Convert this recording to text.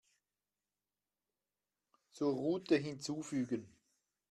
Zur Route hinzufügen.